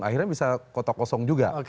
akhirnya bisa kotak kosong juga